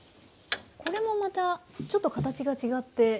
これもまたちょっと形が違って。